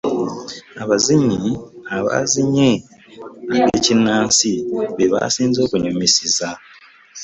Abazinyi abaazinye ag'ekinnansi be baasinze okunnyumisiza.